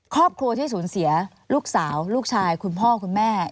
ครอบครัวที่สูญเสียลูกสาวลูกชายคุณพ่อคุณแม่